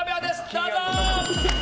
どうぞ！